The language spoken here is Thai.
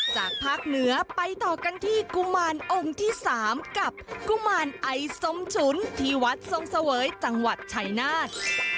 จากภาคเหนือไปต่อกันที่กุมารองค์ที่๓กับกุมารไอส้มฉุนที่วัดทรงเสวยจังหวัดชัยนาธ